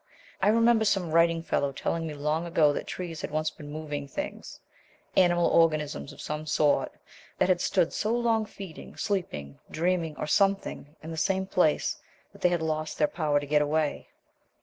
I remember some writing fellow telling me long ago that trees had once been moving things, animal organisms of some sort, that had stood so long feeding, sleeping, dreaming, or something, in the same place, that they had lost the power to get away...!"